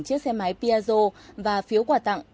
chiếc xe máy piazzo và phiếu quà tặng